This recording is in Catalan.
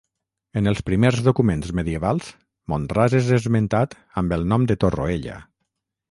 En els primers documents medievals, Mont-ras és esmentat amb el nom de Torroella.